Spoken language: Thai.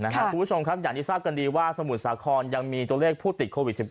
คุณผู้ชมครับอย่างที่ทราบกันดีว่าสมุทรสาครยังมีตัวเลขผู้ติดโควิด๑๙